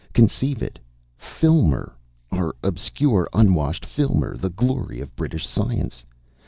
Conceive it! Filmer! Our obscure unwashed Filmer, the Glory of British science!